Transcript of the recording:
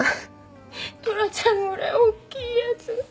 トラちゃんぐらい大きいやつ。